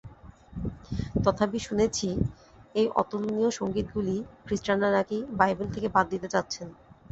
তথাপি শুনেছি, এই অতুলনীয় সঙ্গীতগুলি খ্রীষ্টানরা নাকি বাইবেল থেকে বাদ দিতে চাচ্ছেন।